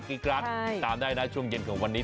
กรี๊ดกรานติดตามได้นะช่วงเย็นของวันนี้